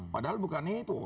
padahal bukan itu